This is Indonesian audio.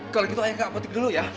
kalau gitu ayah ke apotik dulu ya